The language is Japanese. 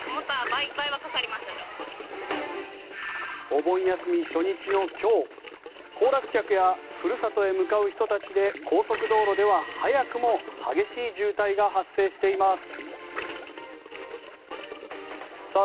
お盆休み初日の今日行楽客や故郷へ向かう人たちで高速道路では早くも激しい渋滞が発生しています。